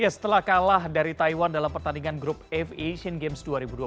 setelah kalah dari taiwan dalam pertandingan grup aviation games dua ribu dua puluh tiga